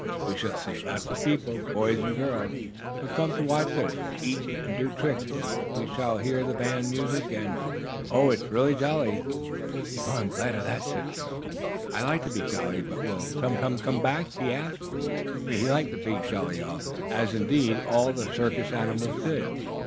We shall see lots of people boys and girls who come to watch us eat, and do tricks, and we shall hear the band music and Oh, it's real jolly!" "I'm glad of that," said Nero. "I like to be jolly. But will Tum Tum come back?" he asked, for he liked the big, jolly elephant, as, indeed, all the circus animals did.